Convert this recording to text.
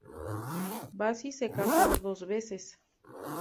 Bassi se casó dos veces.